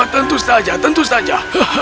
tentu saja tentu saja